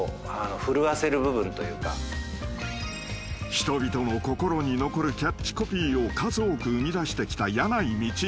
［人々の心に残るキャッチコピーを数多く生み出してきた箭内道彦］